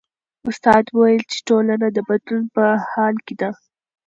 استاد وویل چې ټولنه د بدلون په حال کې ده.